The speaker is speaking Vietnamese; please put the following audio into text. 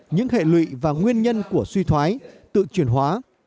những hệ lụy và nguyên nhân của suy thoái tự chuyển hóa